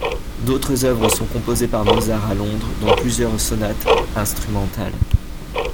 D'autres œuvres sont composées par Mozart à Londres dont plusieurs sonates instrumentales.